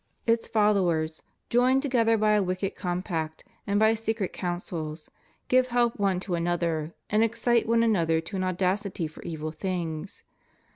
Its followers, joined together by a wicked compact and by secret counsels, give help one to another, and excite one another to an audacity for evil things.